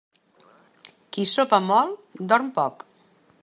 Qui sopa molt, dorm poc.